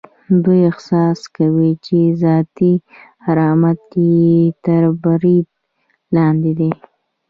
دوی احساس کوي چې ذاتي کرامت یې تر برید لاندې دی.